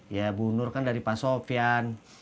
ya bu nur kan dari pak sofian